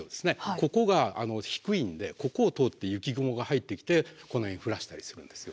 ここが低いんでここを通って雪雲が入ってきてこの辺降らせたりするんですよ。